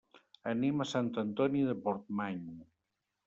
Anem a Sant Antoni de Portmany.